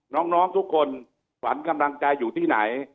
น้องทุกคนฝันกำลังใจอยู่ที่ไหน